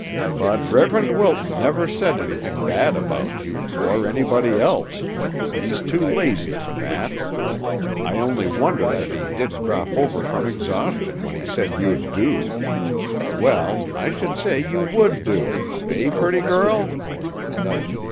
But Reverend Wilton never said anything bad about you, or anybody else; he's too lazy for that. I only wonder that he didn't drop over from exhaustion when he said you'd do. Well, I should say you would do; eh, pretty girl?"